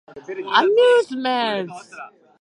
アミューズメント